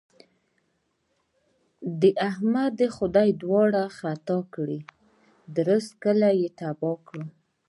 د احمد دې خدای دواړې خطا کړي؛ درست کلی يې تباه کړ.